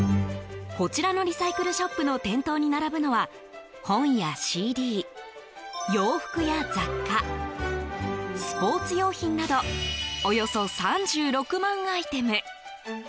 こちらのリサイクルショップの店頭に並ぶのは本やＣＤ、洋服や雑貨スポーツ用品などおよそ３６万アイテム。